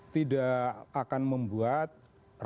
tidak akan membuat rakyat